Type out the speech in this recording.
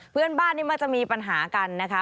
เพื่อนบ้านนี่มักจะมีปัญหากันนะคะ